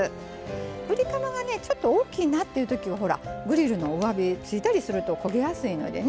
ぶりカマがねちょっと大きいなっていうときはほらグリルの上火付いたりすると焦げやすいのでね